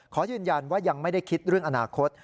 ขอยืนยันว่ายังไม่ได้คิดเรื่องอนาคต